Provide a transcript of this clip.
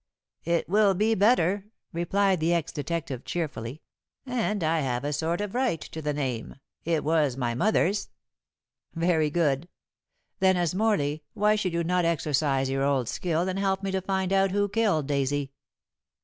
"It will be better," replied the ex detective cheerfully, "and I have a sort of right to the name. It was my mother's." "Very good. Then as Morley why should you not exercise your old skill and help me to find out who killed Daisy?"